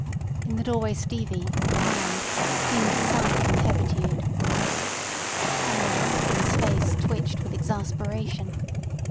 In the doorway Stevie, calmed, seemed sunk in hebetude. Comrade Ossipon's face twitched with exasperation.